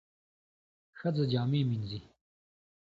ښځه جامې مینځي.